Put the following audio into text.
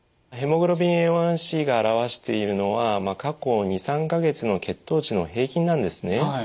ヘモグロビンＡ１ｃが表しているのは過去２３か月の血糖値の平均なんですね。